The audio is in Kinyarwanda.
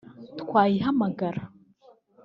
twayihamagara